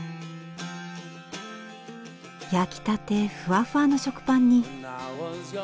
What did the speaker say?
焼きたてふわふわの食パンに。